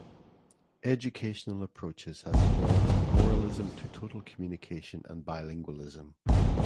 Educational approaches has evolved from oralism to Total Communication and bilingualism.